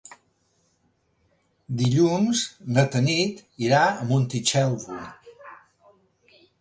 Dilluns na Tanit irà a Montitxelvo.